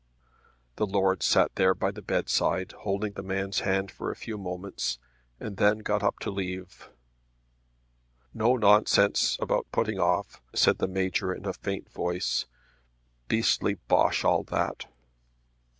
The Lord sat there by the bedside, holding the man's hand for a few moments, and then got up to leave him. "No nonsense about putting off," said the Major in a faint voice; "beastly bosh all that!"